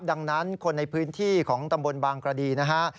ดังนั้นคนในพื้นที่ของตำบลบางกระดีนะฮะ